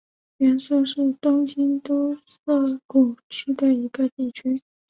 原宿是东京都涩谷区的一个地区。